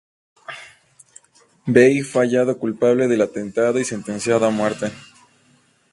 McVeigh fue hallado culpable del atentado y sentenciado a muerte.